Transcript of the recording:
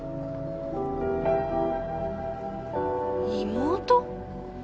妹？